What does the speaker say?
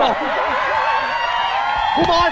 ครูบอยของเอง